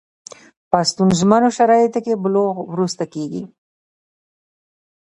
په ستونزمنو شرایطو کې بلوغ وروسته کېږي.